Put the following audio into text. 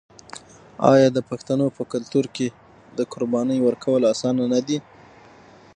آیا د پښتنو په کلتور کې د قربانۍ ورکول اسانه نه دي؟